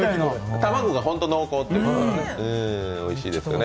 卵が本当に濃厚ということね、おいしいですよね。